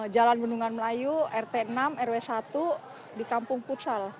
jalan bendungan melayu rt enam rw satu di kampung putsal